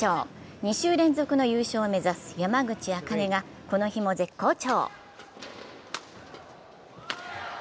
２週連続の優勝を目指す山口茜がこの日も絶好調。